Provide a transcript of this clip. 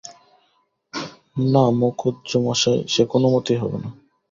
না, মুখুজ্যেমশায়, সে কোনোমতেই হবে না।